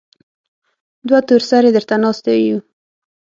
دوه تور سرې درته ناستې يو.